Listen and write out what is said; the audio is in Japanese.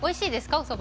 おそば。